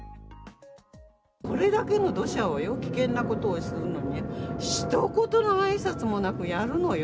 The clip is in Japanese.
これだけの土砂をよ、危険なことをするのに、ひと言のあいさつもなくやるのよ。